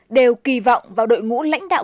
đều kỳ vọng vào đội ngũ lãnh đạo